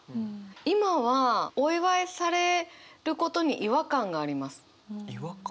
今はお祝いされることに違和感があります。